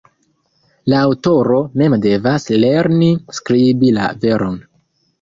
La aŭtoro mem devas lerni skribi la veron.